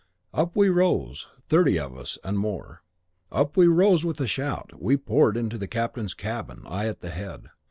Up we rose, thirty of us and more. Up we rose with a shout; we poured into the captain's cabin, I at the head.